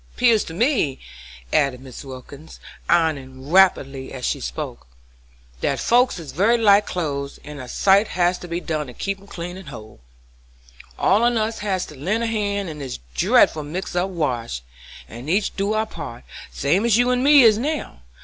'Pears to me," added Mrs. Wilkins, ironing rapidly as she spoke, "that folks is very like clothes, and a sight has to be done to keep 'em clean and whole. All on us has to lend a hand in this dreadful mixed up wash, and each do our part, same as you and me is now.